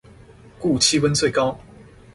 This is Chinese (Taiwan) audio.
故氣溫最高